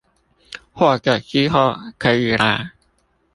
或是之後可以來